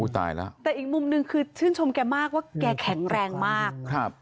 แต่อีกมุมหนึ่งคือชื่นชมแกมากว่าแกแข็งแรงมาก